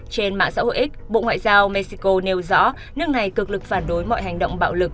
trên mạng xã hội x bộ ngoại giao mexico nêu rõ nước này cực lực phản đối mọi hành động bạo lực